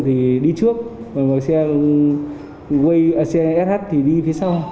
thì đi trước xe sh thì đi phía sau